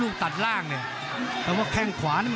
ภูตวรรณสิทธิ์บุญมีน้ำเงิน